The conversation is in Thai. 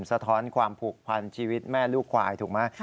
สะท้อนความผูกพันชีวิตแม่ลูกควายถูกไหม